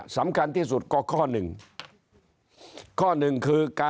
สำคัญที่สุดก็ข้อ๑